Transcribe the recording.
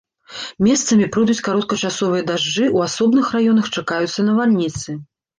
Месцамі пройдуць кароткачасовыя дажджы, у асобных раёнах чакаюцца навальніцы.